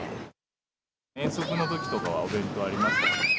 遠足のときとかはお弁当ありますけど。